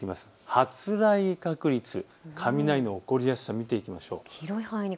発雷確率、雷の起こりやすさ、見ていきましょう。